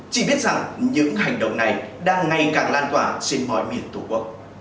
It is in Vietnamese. chỉ biết rằng những hành động này đang ngày càng lan tỏa trên mọi miền tổ quốc